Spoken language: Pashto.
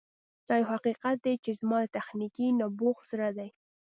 دا یو حقیقت دی چې زما د تخنیکي نبوغ زړه دی